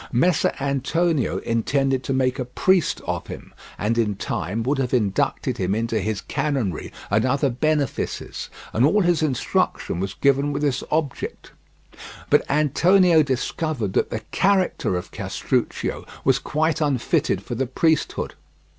Messer Antonio intended to make a priest of him, and in time would have inducted him into his canonry and other benefices, and all his instruction was given with this object; but Antonio discovered that the character of Castruccio was quite unfitted for the priesthood.